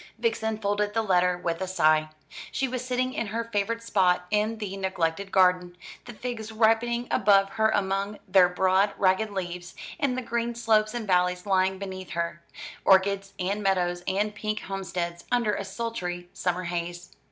Vixen folded the letter with a sigh. She was sitting in her favourite spot in the neglected garden, the figs ripening above her among their broad ragged leaves, and the green slopes and valleys lying beneath her orchards and meadows and pink homesteads, under a sultry summer haze.